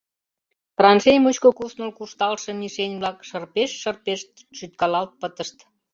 Траншей мучко кусныл «куржталше» мишень-влак шырпешт-шырпешт шӱткалалт пытышт.